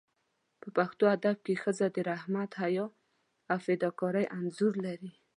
په پښتو ادب کې ښځه د رحمت، حیا او فداکارۍ انځور لري.